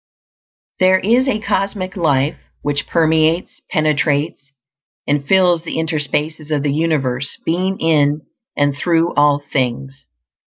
There is a Cosmic Life which permeates, penetrates, and fills the interspaces of the universe, being in and through all things.